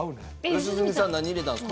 良純さん何入れたんですか？